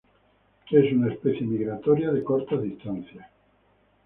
Es una especie migratoria de cortas distancias.